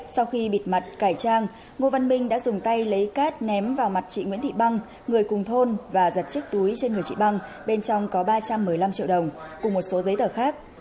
sau khi bịt mặt cải trang ngô văn minh đã dùng tay lấy cát ném vào mặt chị nguyễn thị băng người cùng thôn và giật chiếc túi trên người chị băng bên trong có ba trăm một mươi năm triệu đồng cùng một số giấy tờ khác